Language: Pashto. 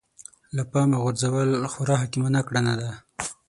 له پامه غورځول خورا حکيمانه کړنه ده.